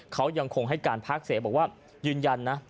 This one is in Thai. เขายังคงให้การพักเสียบอกว่ายืนยันนะ